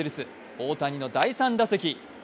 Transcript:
大谷の第３打席。